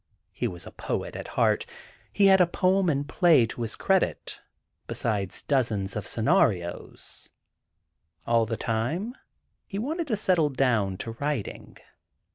He was a poet at heart. He had a poem and a play to his credit, besides dozens of scenarios. All the time he wanted to settle down to writing.